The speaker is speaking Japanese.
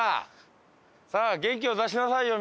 さあ元気を出しなさいよ